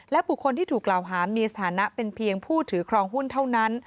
บุคคลที่ถูกกล่าวหามีสถานะเป็นเพียงผู้ถือครองหุ้นเท่านั้น